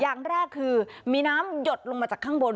อย่างแรกคือมีน้ำหยดลงมาจากข้างบน